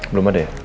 belum ada ya